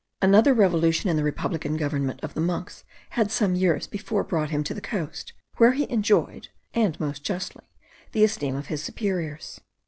Another revolution in the republican government of the monks had some years before brought him to the coast, where he enjoyed (and most justly) the esteem of his superiors.